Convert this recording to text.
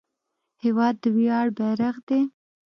هېواد د ویاړ بیرغ دی.